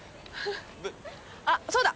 あっそうだ。